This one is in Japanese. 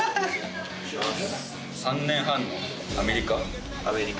お願いします。